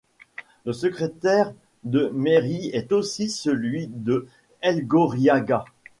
Le secrétaire de mairie est aussi celui de Elgorriaga.